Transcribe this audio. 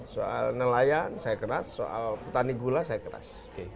soal nelayan saya keras soal petani gula saya keras